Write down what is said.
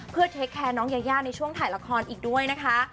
เพื่อเทคแคร์น้องยายาในช่วงถ่ายละครอีกด้วยนะคะ